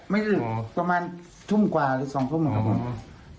ไม่ถึงประมาณทุ่มกว่าเลยสองเท่าหมด